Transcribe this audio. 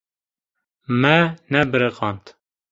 Me nebiriqand.